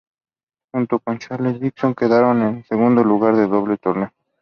Junto con Charles Dixon, quedaron en segundo lugar en dobles del torneo.